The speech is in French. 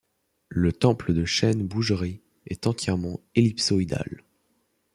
Le temple de Chêne-Bougerie est entièrement ellipsoïdal.